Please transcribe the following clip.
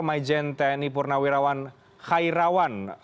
majen tni purnawirawan khairawan